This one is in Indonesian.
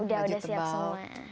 iya udah siap semua